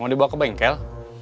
mau dibawa ke bengkel